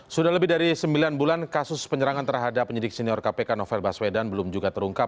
sudah lebih dari sembilan bulan kasus penyerangan terhadap penyidik senior kpk novel baswedan belum juga terungkap